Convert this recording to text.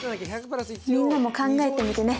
みんなも考えてみてね。